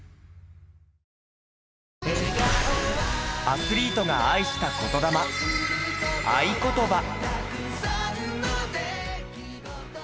アスリートが愛した言魂『愛ことば』。